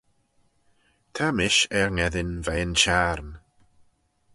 Ta mish er ngheddyn veih'n çhiarn.